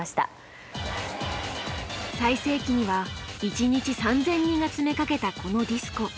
最盛期には一日３，０００人が詰めかけたこのディスコ。